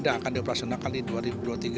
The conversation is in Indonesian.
dan akan dioperasikan di dua ribu dua puluh tiga